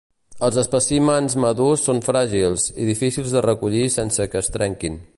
Els espècimens madurs són fràgils, i difícils de recollir sense que es trenquin.